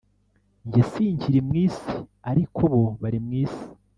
Jye sinkiri mw'isi, ariko bo bari mw'isi,